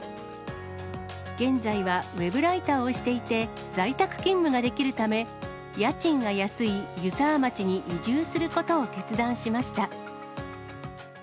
現在はウェブライターをしていて、在宅勤務ができるため、家賃が安い湯沢町に移住することを決断しました。